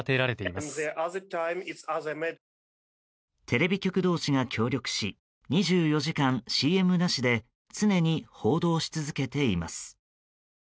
テレビ局同士が協力し２４時間ＣＭなしで常に報道し続けています。